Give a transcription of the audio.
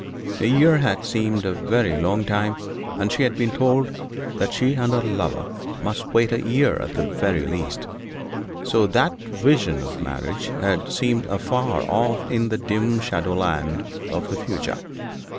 A year had seemed a very long time; and she had been told that she and her lover must wait a year at the very least; so that vision of marriage had seemed afar off in the dim shadowland of the future.